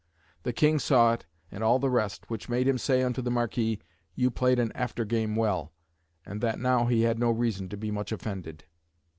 The King saw it, and all the rest, which made him say unto the Marquis, you played an after game well; and that now he had no reason to be much offended.